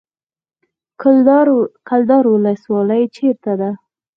کلدار ولسوالۍ چیرته ده؟